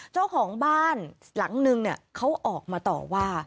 เจ้าของบ้านหลังนึงเขาออกมาต่อว่า